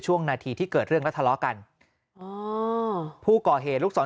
ช่วงนาทีที่เกิดเรื่องแล้วทะเลาะกันอ๋อผู้ก่อเหตุลูกศร